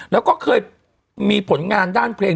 แล้วก็เคยมีผลงานด้านเพลง